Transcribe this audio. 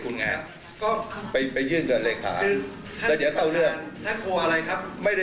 ทุกคนก็ยื่นกับเหลขาตรงนั้น